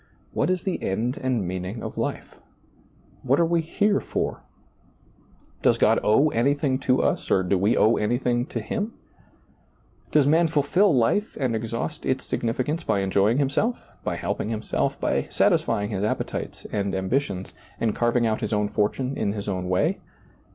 What is the end and meaning of life ? What are we here for ? Does God owe anything to us, or do we owe anything to Him ? does man fulfill life and exhaust its sig nificance by enjoying himself, by helping himself, by satisfying his appetites and ambitions, and carving out his own fortune in his own way